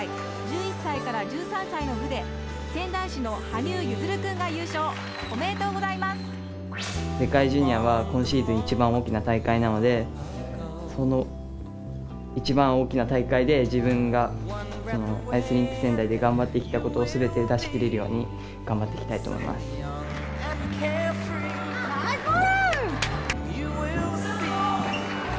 １１歳から１３歳の部で仙台市の羽生結弦くんが優勝世界ジュニアは今シーズン一番大きな大会なのでその一番大きな大会で自分がアイスリンク仙台で頑張ってきたことを全て出し切れるように頑張っていきたいと思います。